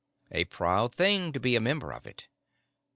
A proud thing to be a member of it.